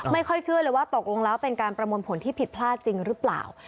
ไม่ค่อยเชื่อเลยว่าตกลงแล้วเป็นการประมวลผลที่ผิดพลาดจริงหรือเปล่า